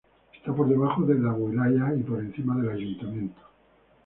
Está por debajo de la wilaya y por encima del ayuntamiento.